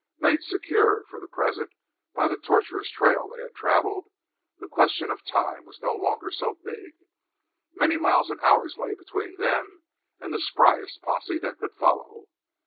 Made secure for the present by the tortuous trail they had travelled, the question of time was no longer so big. Many miles and hours lay between them and the spryest posse that could follow.